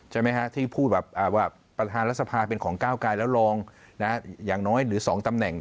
ใช่มั้ยฮะพูดแบบว่าประธานสภาเเป็นของก้าวกายล้องนะว่างน้อยหรือ๒ตำเหน่ง